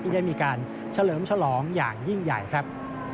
ได้มีการเฉลิมฉลองอย่างยิ่งใหญ่ครับ